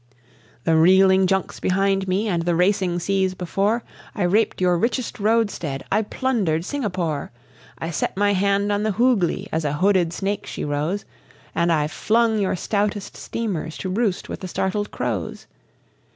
"The reeling junks behind me and the racing seas before, I raped your richest roadstead I plundered Singapore! I set my hand on the Hoogli; as a hooded snake she rose, And I flung your stoutest steamers to roost with the startled crows.